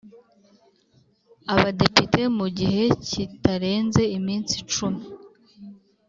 Abadepite mu gihe kitarenze iminsi cumi